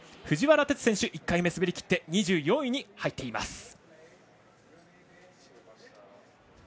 藤原哲選手１回目滑りきって２４位に入っています。